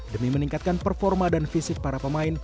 demi meningkatkan performa dan fisik para pemain